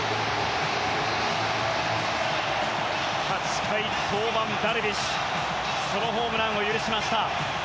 ８回登板ダルビッシュソロホームランを許しました。